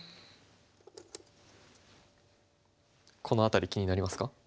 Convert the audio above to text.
この辺り気になりますか？